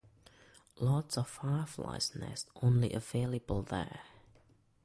Lots of the fireflies nest only available here.